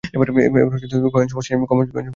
এবার কয়েন সমস্যা নিয়ে বলা যাক।